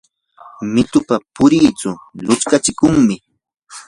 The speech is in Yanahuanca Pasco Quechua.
mitupa puritsu lutskankiymi.